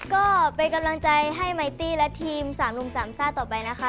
ก็เป็นกำลังใจให้ไมตี้และทีม๓หนุ่มสามซ่าต่อไปนะคะ